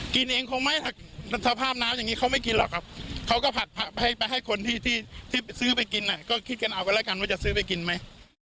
กินเองคงไม่สภาพน้ำอย่างนี้เขาไม่กินหรอกครับเขาก็ผักให้ไปให้คนที่ซื้อไปกินก็คิดกันเอากันแล้วกันว่าจะซื้อไปกินไหม